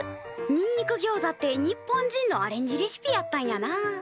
にんにくギョウザって日本人のアレンジレシピやったんやなあ。